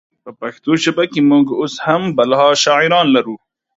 په پښتو ژبه کې مونږ اوس هم بلها شاعرانې لرو